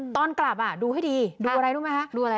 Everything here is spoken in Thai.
ตอนกลับดูให้ดีดูอะไรดูไหมคะ